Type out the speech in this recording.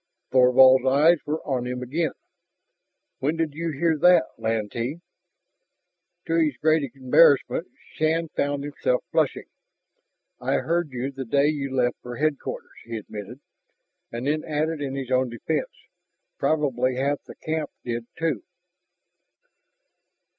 Thorvald's eyes were on him again. "When did you hear that, Lantee?" To his great embarrassment, Shann found himself flushing. "I heard you, the day you left for Headquarters," he admitted, and then added in his own defense, "Probably half the camp did, too."